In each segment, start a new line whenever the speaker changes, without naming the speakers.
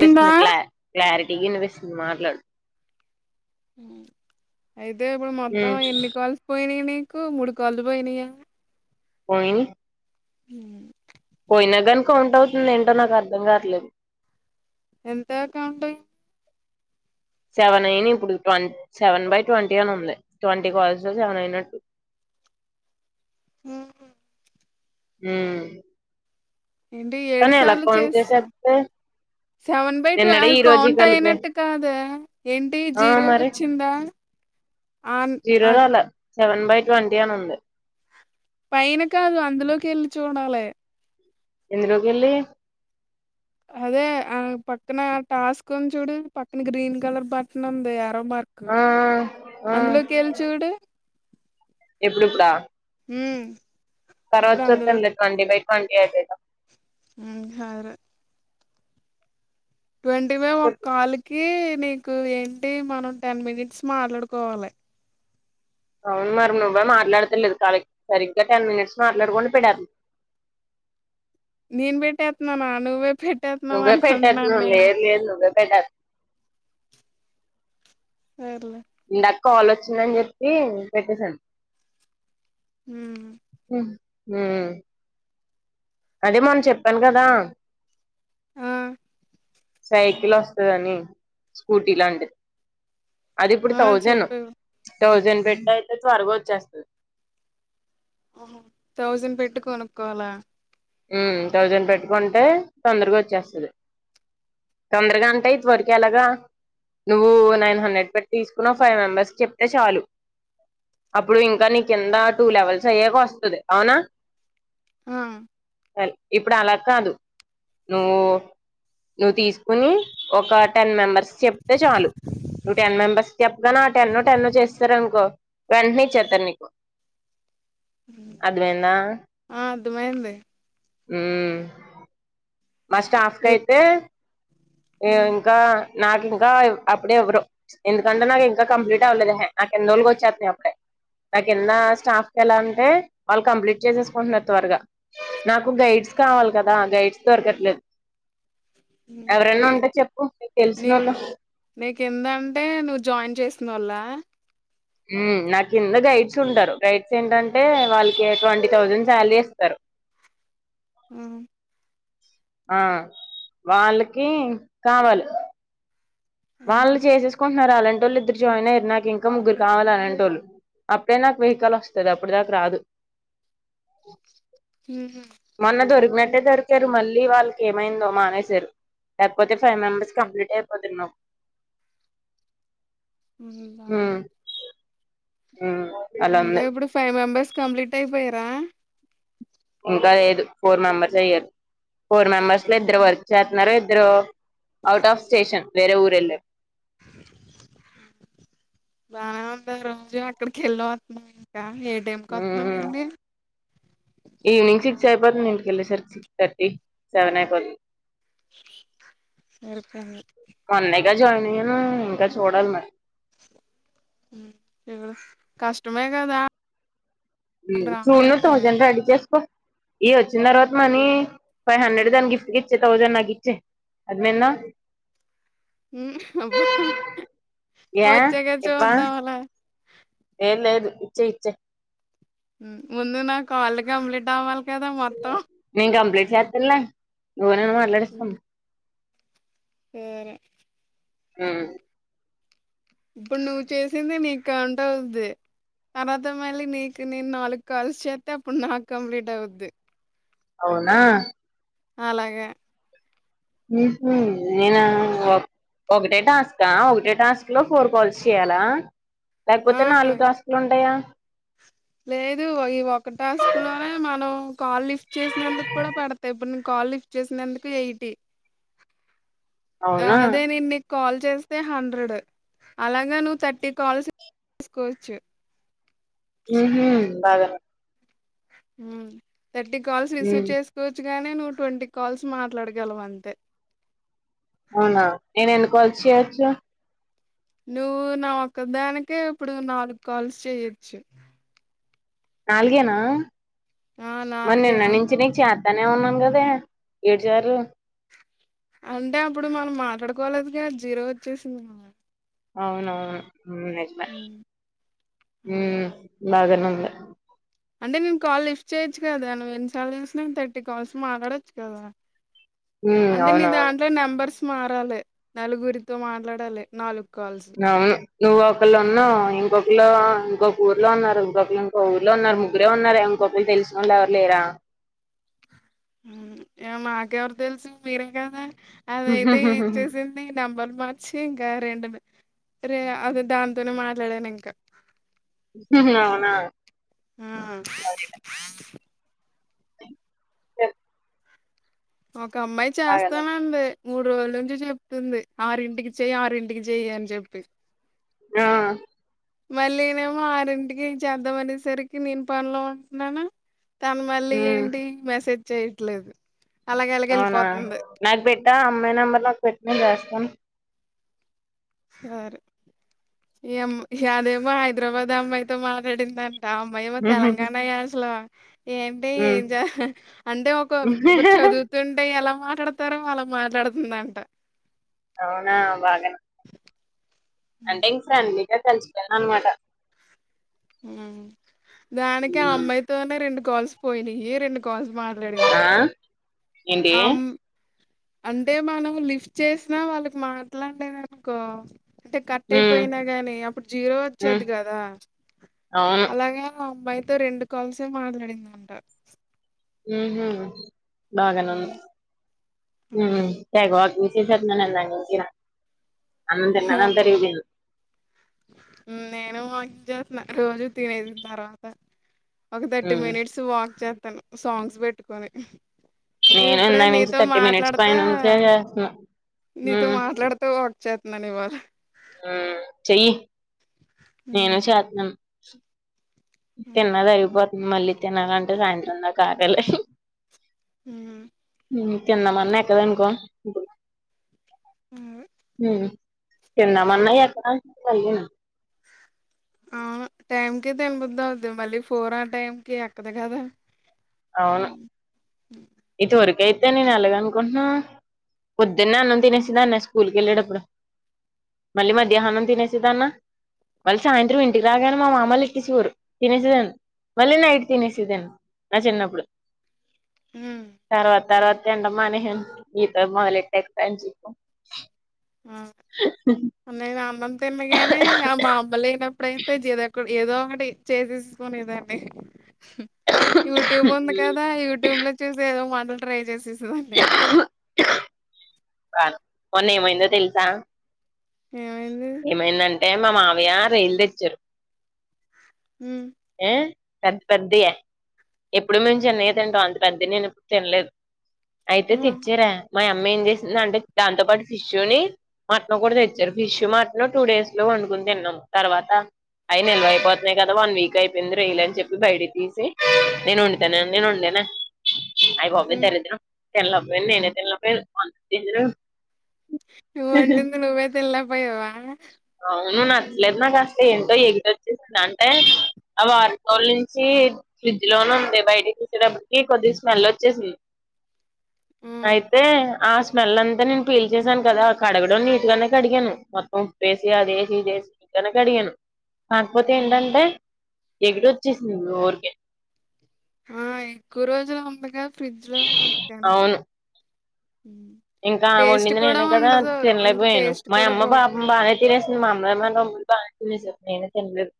ఉందా
క్లా క్లారిటీ గా వినిపిస్ మాట్లాడు
ఉం అయితే ఇప్పుడు మొత్తం ఎన్ని కాల్స్ పోయినయ్ నీకు మూడు కాళ్లు బోయినయా
పోయినియ్
ఊ
పోయిన గాని కౌంట్ అవుతుంది ఏంటో నాకు అర్థం గాట్లేదు
ఎంత కౌంటింగ్
సెవెన్ అయినై ఇప్పుడు ట్వ సెవెన్ బై ట్వంటీ అని ఉంది ట్వంటీ కాల్స్ లో సెవెన్ అయినట్టు
ఉహు
ఊ
ఏంటి ఏడు సార్లు చేస్త
చేసేస్తే
సెవెన్ బై ట్వ
నిన్నడే
అది
ఈ రోజు
కౌంట్
కలిపే
అయినట్టు కాదే ఏంటి
ఆ
జీరో
మరి
ఒచ్చిందా ఆన్
జీరో
అ
రాలే సెవెన్ బై ట్వంటీ అని ఉంది
పైన కాదు అందులోకి కెళ్ళి చూడాలే
ఎందులోకెళ్లి
అదే ఆ పక్కన టాస్క్ ఉంది చూడు పక్కన గ్రీన్ కలర్ బట్టన్ ఉంది ఆరో మార్క్
ఆ
అందులోకి ఎళ్ళి చూడు
ఎప్పుడు ఇప్పుడా
ఊ
తరవాత చూద్దాం లే ట్వండి బై ట్వంటీ ఐపోయిందా
ఉం సరే ట్వంటీ బై ఒ
చెప్పు
కాల్ కీ నీకు ఏంటి మనం టెన్ మినిట్స్ మాట్లాడుకోవాలే
అవును మరి నువ్వే మాట్లాడతలేదు కాల్ కి సరిగ్గా టెన్ మినిట్స్ మాట్లాడుకొని పెట్ త
నీన్ బెట్టేత్ననా నువ్వే పెట్టేస్తున్నావు
నువ్వే
అనుకుంటున్నాను
పెట్టెత్నవ్
నేను
లేదు లేదు నువ్వే పెట్టద్
సర్లే
ఇందక కాల్ ఒచ్చిందని చెప్పి పెట్టసాను
ఊ
ఉం ఊ అదే మొన్న చెప్పాను గదా
ఆ
సైకిల్ ఒస్తదని స్కూటీ లాంటి అది ఇప్పుడు
ఆ
థౌజను
చెప్పు
థౌజండ్ పెట్ట అయితే త్వరగా ఒచ్చేస్తది
అహ థౌజండ్ పెట్టి కొనుక్కోవాలా
ఊ థౌజండ్ పెటుకొంటే తొందరగా ఒచ్చేస్తది తొందరగా అంటే ఇత్వరకు ఎలగా నువ్వు నైన్ హండ్రెడ్ పెట్టి తీసుకున్నా ఫైవ్ మెంబర్స్ క చెప్తే చాలు, అప్పుడు ఇంకా నీకెంద టూ లెవెల్స్ అయ్యాక ఒస్తది అవునా.
ఆ
హెల్ ఇప్పుడు అల కాదు నువ్వు నువ్వు తీసుకుని ఒక టెన్ మెంబర్స్ చెప్తే చాలు నువ్ టెన్ మెంబెర్స్ చెప్తెన ఆ టెన్నో టెన్ను చేసేసారనుకో వెంటనే ఇచ్చేత్తర్ నీకు అర్థమైందా
ఆ అర్థమైంది
హుమ్ మా స్టాఫ్
ఎప్
కైతే ఈమ్
ఉమ్
ఇంకా నాకు ఇంకా అప్పుడే ఎవ్వరు ఎందుకంటే నాకు ఇంకా కంప్లీట్ అవ్వలేదు ఎహె నాకు కిందోల్ కీ వచ్చేతై అప్పుడే నాకు ఎంత స్టాఫ్ కెలా అంటే వాళ్ళు కంప్లీట్ చేసేసుకుంటున్నారు త్వరగా నాకు గైడ్స్ కావాలి కదా గైడ్స్ దొరకట్లేదు ఎవరైనా
ని
ఉంటే చెప్పు నీకు
ని
తెలిసినోళ్ళు
నీ కిందటే నువ్ జాయిన్ చేసినోళ్ల
హుమ్ నా కింద గైడ్స్ ఉంటారు గైడ్స్ ఏంటంటే వాళ్ళకి ట్వంటీ థౌజండ్ సాలరీ ఇస్తరు
ఆ
ఆ వాళ్ళకి కావాలి వాళ్ళు
ఉహు
చేసేసుకొని మరి అలంటోళ్ళు ఇద్దరు జాయిన్ అయ్యారు నాకు ఇంకా ముగ్గురు కావాలి అలంటోళ్ళు అప్పుడే నాకు వెహికల్ వస్తది అప్పుడు దాక రాదు
ఉహు
మొన్న దొరికినాడు దొరికారు మళ్ళీ వాళ్ళకి ఏమైందో మానేశారు లేకపోతే ఫైవ్ మెంబర్స్ కంప్లీట్ అయిపోతునావ్
ఉందా
ఉమ్ ఉమ్ అలా
అంటే
ఉంది
ఇప్పుడు ఫైవ్ మెంబెర్స్ కంప్లీట్ అయిపోయ రా
ఇంకా లేదు ఫోర్ మెంబర్సే అయ్యారు ఫోర్ మెంబర్స్ లో ఇద్దరు వర్కు చేతున్నారు ఇద్ ఇద్దరూ ఔట్ ఆఫ్ స్టేషన్ వేరే ఊరెళ్ళార్
బానే ఉంది రోజు అక్కడికి వెళ్ళి వస్తున్నావ్ ఇంకా ఏ టైం కోత్నవ్
ఉమ్ ఈవినింగ్ సిక్స్ అయిపోతుంది ఇంటికెల్లెసర్కి సిక్స్ థర్టీ సెవెన్ అయిపోది
సరిపోయింది
ఇంకా జాయిన్ అయ్యాను ఇంకా చూడాలి మరీ
ఇగ కష్టమే కదా వాళ్ళు
ఫోన్ లో
రావాలంటే
థౌసండ్ రెడీ చేసుకో ఇ వచ్చిన తర్వాత మనీ ఫైవ్ హండ్రెడ్ దాన్ని గిఫ్ట్కి ఇచ్చేయ్ థౌజండ్ నాకు ఇచ్చేయ్ అర్థమైందా
హ్మ్ అబ్బా
ఏ
వచ్చాక
ఇవ్వా
చూద్దాం లే
ఇచ్చే ఇచ్చే
ముందు నా కాల్లు కంప్లీట్ అవ్వాలి కదా మొత్తం
చేస్తర లే [unintelligible]
ఏ
హ్మ్
ఇప్పుడు నువ్వు చేసిందే నీకు అంటవుద్ది తర్వాత మళ్ళీ నీకు నేను నాలుగు కాల్స్ చేస్తే అప్పుడు నాకు కంప్లీట్ అవుద్ది.
అవునా
అలాగే
నేను ఒకటే టాస్కా ఒకటే టాస్క్లో ఫోర్ కాల్స్ చెయాలా లేకపోతే
ఆ
నాలుగు టాస్కులు ఉంటాయా
లేదు ఈ ఒక టాస్కులోనే మనం కాల్ లిఫ్ట్ చేసినందుకు కూడా పడతాయి ఇప్పుడు నీకు కాల్ లిఫ్ట్ చేసినందుకు ఎయిటి ఆ
అవునా
అదే నేన్ నిక్ కాల్ చేస్తే హండ్రెడ్ అలాగా నువ్వు థర్టీ కాల్స్ చేసుకోవచ్చు.
హ్ మ్ బాగానే
మ్ థర్టీ కాల్స్ రిసీవ్
హ్మ్.
చేసుకోవచ్చు. గానే నువ్వు ట్వంటీ కాల్స్ మాట్లాడగలవు అంతే
అవునా నేను ఎన్ని కాల్స్ చేయొచ్చు.
నువ్వు నా ఒక్క దానికే ఇప్పుడు నాలుగు కాల్స్ చెయొచ్చు.
నాలుగేనా
ఆ
మరి
నాలుగే అ
నిన్న [inaudible] తనే ఉన్నాను కదే ఏడుచారు.
అంటే అప్పుడు మనం మాట్లాడుకోలేదు కా జీరో వచ్చేసింది మ
అవునవును. హ్మ్
అలా.
హ్మ్ నా దగ్గరనే ఉంది
అంటే నేను కాల్ లిఫ్ట్ చేయచ్చు కదా నువ్ ఎన్ని సార్లు చేసినే థర్టీ కాల్స్ మాట్లాడొచ్చు కదా
హ్మ్.
అంటే నీ
అవునవును.
దాంట్లో నెంబర్స్ మారాలి నలుగురితో మాట్లాడాలి నాలుగు కాల్స్
అవును నువు ఒకలను ఇంకొక లో ఇంకొక ఊర్లో ఉన్నారు. ఇంకొకరు ఇంకో ఊర్లో ఉన్నారు ముగ్గురే ఉన్నారే ఇంకొకరు తెల్సినోళ్ళు ఎవరు లేరా
మాకెవరు తెల్సు మీరే కదా అదయితే ఏం చేసింది నెంబర్ మార్చి ఇంకా రెండు రే అదే దాంతోనే మాట్లాడాను ఇంకా
అవునా
ఆ
అయితే
ఓ ఒక అమ్మాయి
బాగానే ఉంది.
చేస్తానంది. మూడు రోజుల నుంచి చెప్తుంది ఆరింటికి చెయ్యి ఆరింటికి చెయ్యి అని చెప్పి
ఆ
మళ్ళీనేమో ఆరింటికి చేద్దాంమనేసరికి నేను పనిలో ఉంటున్నాను తను మళ్ళీ
హ్మ్.
ఏంటి మెసేజ్ చేయట్లేదు అలాగ అలాగ
అవునా
వెళ్ళిపోతుంది
నాక్ పెట్ ఆ అమ్మాయి నెంబర్ నాకు పెట్టు నేన్ చేస్తాను
సరే ఈ అమ్మ యాదేమో హైదరాబాద్ అమ్మాయితో మాట్లాడిందని ఆ అమ్మాయేమో
హుహుహు.
తెలంగాణ యాసలో ఏంటి
హ్మ్.
ఎంజాయ్ అంటే ఒకరూ చదువుతుంటే ఎలా మాట్లాడతారో అలా మాట్లాడుతుందంట
అవునా బాగనె అంటే ఇస్ ఫ్రెండ్లీ కలిసిపోయారు అన్మాట
ఉమ్ దానికి ఆ అమ్మాయి తోనే రెండు కాల్స్ పోయినయీ రెండు కాల్స్ మాట్లాడింది
ఏంటీ
అమ్ అంటే మనం లిఫ్ట్ చేసినా వాళ్ళిక మాట్లాడ్లేదు అనుకో అంటే కట్
హ్మ్.
అయిపోయినా గాని అప్పుడు జీరో
హ్మ్.
ఒచ్చేది గదా
అవును.
అలాగా అమ్మాయితో రెండు కాల్సే మాట్లాడిందంట
ఊహు బాగానన్ను
హ్మ్.
ఊ హూ దే గాట్ [unintelligible]
నేనూ వాక్ చేస్తున్న రోజు తినేసిన్ తర్వాత ఒక థర్టీ
హ్మ్.
మినిట్స్ వాక్ చేత్ తను సాంగ్స్ పెట్టుకొని
నేనూ
ఇప్పుడే
ఇందాక నుంచి
నీతో
థర్టీ మినిట్స్ పైన
మాట్లాడతా
నుంచే చేస్తున్న ఉమ్మ్
చె ఇవాళ
చెయ్యి నేను
ఉమ్
చెత్తను స తిన్నది అరిగిపోద్ది మళ్ళీ తినాలంటే సాయంత్రం దాకా ఆగాలి
ఉమ్.
త్తిందం మన్నా ఎక్కదనుకో బ
ఉ
తిందామన్నా ఎక్క
అవును టైం కి తినబుద్ధి అవుద్ధి మళ్ళీ ఫోర్ ఆ టైం కి అక్కదు కదా
అవును
ఉమ్
ఇదివరకె తే నేను అలాగ అనుకుంటున్నా పొద్దున్న అన్నం తినేసిదా అన్న స్కూల్ కి వెళ్ళేటప్పుడు మళ్ళీ మధ్యాహ్నం తినే న్న మళ్ళీ సాయంత్రం ఇంటికి రాగానే మా మామలు ఎట్టేసేవోరు తినేసేదాన్ని మళ్ళీ నైట్ తినేసేదాన్ని నా చిన్నప్పుడు
ఉమ్.
తరువా తరువాత తినడం మానేసాను ఇప్పుడే మొదలు ఎట్టాను జిమ్
ఆ నేనా అన్న గానే మా అమ్మ లేనాప్పుడు అయితే చిరాకు ఏదో ఒకటి చేసేసుకునేదాండి యూట్యూబ్ ఉంది కదా యూట్యూబ్ లో చూసి ఏదో మా ట్రై చేసి డండి
బాను మొన్న ఏమైందో తెలుసా
ఏమైంది
ఏమైందంటే మా మామ య్య రొయ్యల్ దెచ్చారు
ఉ
యే పెద్ద పెద్దయే ఎప్పుడు మేము
హ్మ్
చిన్నయే తింటాం అం పెద్దయి నేనెప్పుడు తినలేదు అయితే
హ్మ్
తెచ్చారా మా యమ్మ ఏం జేసిందంటే దాంతో పాటు ఫిషు ని మటన్ కూడా తెచ్చారు ఫిష్ మటన్ టూ డేస్ లో వండుకుని తిన్నాం తర్వాత అవి నిల్వైపోతున్నాయి కదా వన్ వీక్ అయిపోయింది రెయ్యల అని చెప్పి బయట తీసి నేను వండుతానా నేను వంేనా అయ బాబోయ్
హ్మ్.
దరిద్రం తెల్లపోయిను నేనే తెల్లపోయిను అ
ను వండింది నువ్వే తినలే పోయవ
అవునా! లెమనా? కాస్తే ఏంటో ఎవిటోచేసింది. ఆ వాతావరణంలో ఫ్రిజ్‌లో నుంచి బయటకు తీసేటప్పటికి కొంచెం స్మెల్ వచ్చేసింది.
హ్మ్.
అయితే! ఆ స్మెల్ అంతా నేను పీల్చేశాను కదా, కడగడం నీట్‌గానే కడిగాను మొత్తం. ఉప్పేసే ఆదేసి ఇది ఏసి దసి కడిగాను కాకపోతే
హ్మ్.
ఏంటంటి ఎగుడు వచ్చేసింది నోరుకే?
హా, ఎక్కువ రోజులు ఉంది గా. ఫ్రిజ్‌లో నందుకని.
అవును ఇంకా ఆమె వండింది నేనే కదా?
ఉండదు. ఇంక
తినలేకపోయాను.
టేస్ట్
మా
కూడా
యమ్మా
పోద్ది.
పాపం బాగానే తినేసింది. మా అ! మా యమ్మా, తమ్ముడు బానే తినేశారు. నేనే తినలేదు.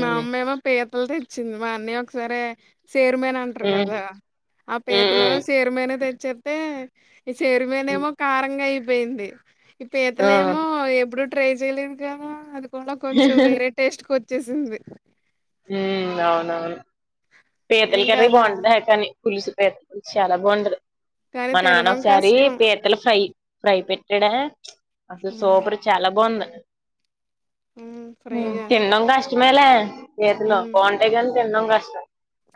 మా అమ్మ ఏమో పీత. దూల్ తెచ్చింది! మా అన్యాయ్ ఒకసారే. చైర్మన్ అంటారు
ఉమ్
కదా, ఆ
ఉమ్
పీతలు
ఉమ్
చైర్మన్ తెచ్చి. చెప్పయ్. ఈ చైర్మన్
ఉమ్,
ఏమో కారంగా అయి. పోయింది! ఇప్పు
ఆ
ఈతలే ఏమో ఎప్పుడు ట్రై చేయలేనుకడ ఆధు. కూరా కొంచెం, వేరే టేస్ట్‌ కో. వచ్చేసింది!
హ్మ్ అవునవును! పీతల
ఇంక
కర్రీ
అదా
బాగుంతెహేద కానీ, పులుసు పీతల పులుసు. చాలా బావుండదు
కానీ
మా నాన్న
తినడం
ఒకసారి,
కష్టం
పీతల ఫ్రై పే ఎడ అసలు
హ్మ్
సోపర్ చాలా బావుంద
హ్మ్ ఫ్రైగా
[inaudible] తినడం కష్ట. ఇవాళ పీతలు
హ్మ్
బాగుంటాయి కానీ. తినడం కష్టం.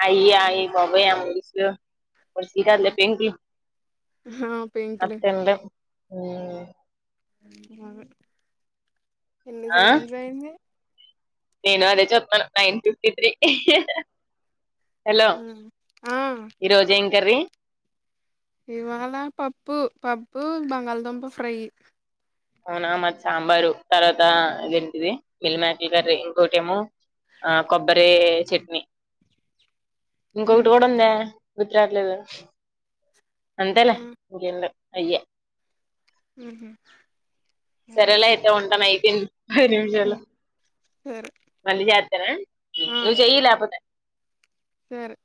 అయి అయి
అవును
బాబో అం [unintelligible] శీరా
ఉమ్,
లేపింగి
ఆ
అ
పెంకులు
హ్మ్
అదే ఎన్ని సెకన్స్ అయింది
నేనూ అదే చూత్తన్నాను నైన్ ఫిఫ్టీ త్రీ హలో
హ్మ్ ఆ
ఈరోజేం కర్రీ
ఇవాళ పప్పు పప్పు బంగాళదుంప ఫ్రై
అవునా మాది సాంబారు తర్వాత ఇదేంటిది మిల్ మేకర్ కర్రీ ఇంకోటేమో ఆ కొబ్బరీ చట్నీ
హ్మ్
ఇంకోకటి కూడ ఉందే గుర్తు రాట్లేదు అంతేలే
హ్మ్
ఇంకేం లే అయ్యే
హుమ్ హు
సరేలే అయితే ఉంటానయ్ తిన్ పది నిమిషాలు
సరే
మళ్ళీ చేత్తానే
ఆ
నువ్వు చెయ్ లేపోతే
సరే